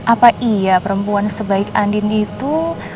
apa iya perempuan sebaik andin itu